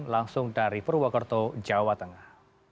langsung dari purwokerto jawa tengah